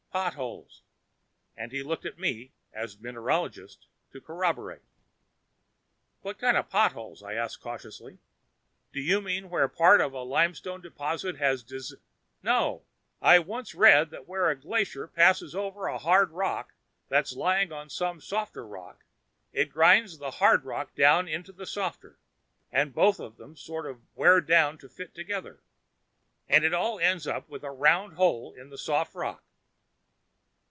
"Potholes." And he looked at me, as mineralogist, to corroborate. "What kind of potholes?" I asked cautiously. "Do you mean where part of a limestone deposit has dissol " "No. I once read that when a glacier passes over a hard rock that's lying on some softer rock, it grinds the hard rock down into the softer, and both of them sort of wear down to fit together, and it all ends up with a round hole in the soft rock."